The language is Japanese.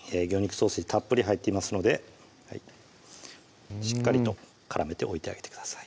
ソーセージたっぷり入っていますのでしっかりと絡めておいてあげてください